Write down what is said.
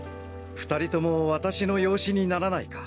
二人とも私の養子にならないか？